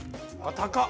高っ。